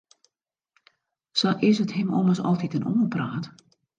Sa is it him ommers altiten oanpraat.